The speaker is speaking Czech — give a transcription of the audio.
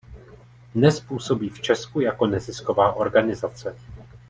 Dnes působí v Česku jako nezisková organizace.